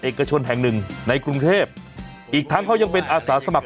เอกชนแห่งหนึ่งในกรุงเทพอีกทั้งเขายังเป็นอาสาสมัคร